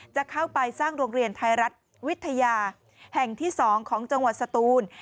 จะเข้าไปสร้างโรงเรียนไทยรัฐวิทยาแห่งที่๒ของจังหวัดสตูน